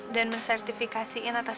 dan mensertifikasiin atas